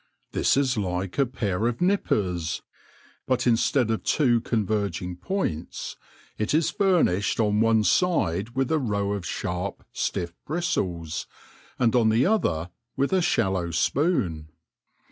This is like a pair of nippers, but instead of two converging points, it is furnished on ona side with a row of sharp, stiff bristles, and on the other with a shallow spoon.